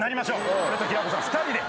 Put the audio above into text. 俺と平子さん２人で。